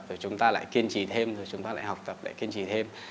rồi chúng ta lại kiên trì thêm